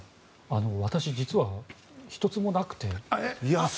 実は私、１つもなくて。